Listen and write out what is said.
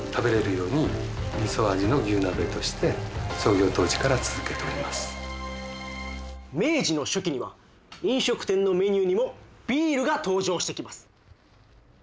このお店はなんと明治の初期には飲食店のメニューにもビールが登場してきます。